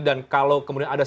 dan kalau kemudian ada serangan